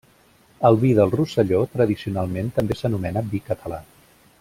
El vi del Rosselló tradicionalment també s'anomena vi català.